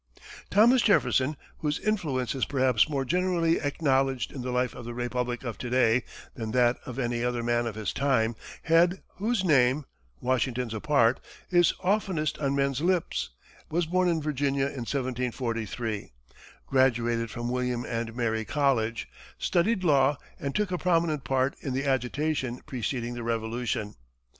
Thomas Jefferson, whose influence is perhaps more generally acknowledged in the life of the Republic of to day than that of any other man of his time, and whose name, Washington's apart, is oftenest on men's lips, was born in Virginia in 1743, graduated from William and Mary College, studied law, and took a prominent part in the agitation preceding the Revolution.